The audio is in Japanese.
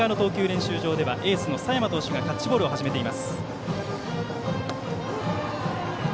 練習場ではエースの佐山投手がキャッチボールを始めています。